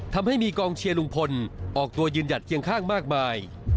ทำให้มีกองเชียร์ลุงพลออกตัวยืนหยัดเคียงข้างมากมาย